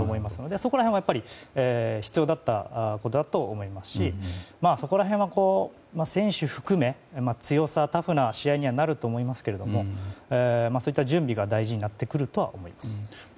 そこら辺は必要だったのだと思いますしそこら辺は、選手含め強さ、タフな試合にはなると思いますけどそういった準備が大事になってくると思います。